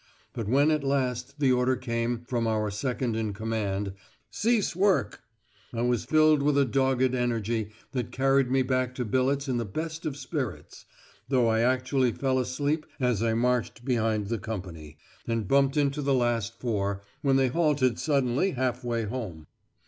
But when at last the order came from our second in command "Cease work," I was filled with a dogged energy that carried me back to billets in the best of spirits, though I actually fell asleep as I marched behind the company, and bumped into the last four, when they halted suddenly half way home!